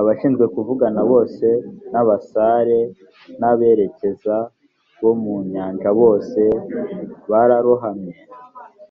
abashinzwe kuvugama bose n abasare n aberekeza bo mu nyanja bose bararohamye